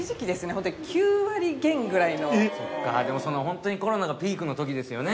ホントに９割減ぐらいのえっそっかでもそのホントにコロナがピークの時ですよね